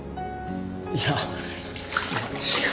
いや違うよ。